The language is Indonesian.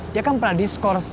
dia kan pernah diskor